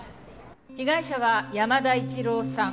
被害者は山田一郎さん